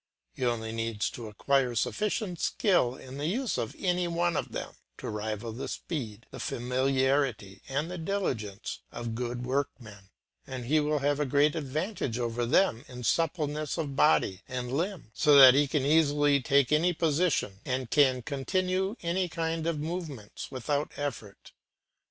He only needs to acquire sufficient skill in the use of any one of them to rival the speed, the familiarity, and the diligence of good workmen, and he will have a great advantage over them in suppleness of body and limb, so that he can easily take any position and can continue any kind of movements without effort.